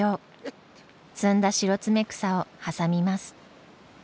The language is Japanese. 摘んだシロツメクサを挟みます。